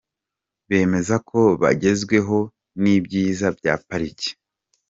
Bemeza ko bagezweho n’ibyiza bya pariki